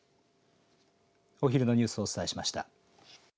お昼のニュースをお伝えしました。